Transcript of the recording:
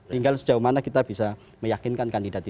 tinggal sejauh mana kita bisa meyakinkan kandidat itu